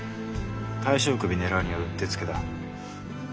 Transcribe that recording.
大将首狙うにはうってつけだ。